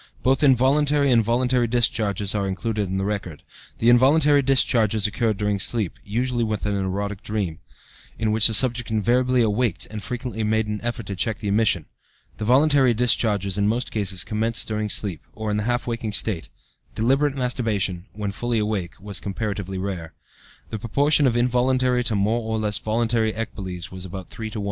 Both involuntary and voluntary discharges are included in the record. The involuntary discharges occurred during sleep, usually with an erotic dream, in which the subject invariably awaked and frequently made an effort to check the emission. The voluntary discharges in most cases commenced during sleep, or in the half waking state; deliberate masturbation, when fully awake, was comparatively rare. The proportion of involuntary to more or less voluntary ecboles was about 3 to 1.